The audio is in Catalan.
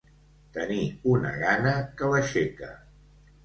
Tenir una gana que l'aixeca.